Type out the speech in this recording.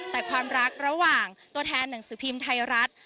แต่ความรักระหว่างตัวแทนหนังสือพิมพ์ไทยรัฐ